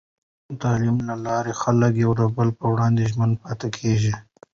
د تعلیم له لارې، خلک د یو بل پر وړاندې ژمن پاتې کېږي.